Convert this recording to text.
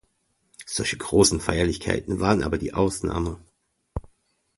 Solche großen Feierlichkeiten waren aber die Ausnahme.